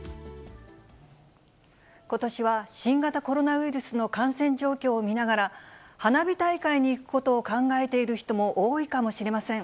ことしは新型コロナウイルスの感染状況を見ながら、花火大会に行くことを考えている人も多いかもしれません。